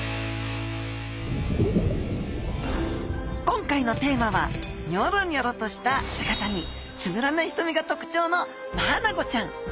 今回のテーマはニョロニョロとした姿につぶらなひとみがとくちょうのマアナゴちゃん。